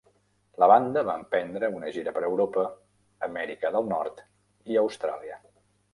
La banda va emprendre una gira per Europa, Amèrica del Nord i Austràlia.